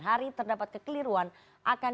hari terdapat kekeliruan akan